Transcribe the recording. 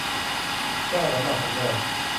เจ้าสำบัดสำนวน